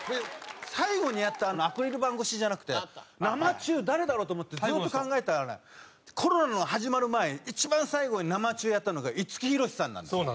最後にやったアクリル板越しじゃなくて生チュー誰だろうと思ってずっと考えたらねコロナの始まる前一番最後に生チューやったのが五木ひろしさんなんですよ。